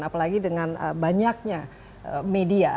apalagi dengan banyaknya media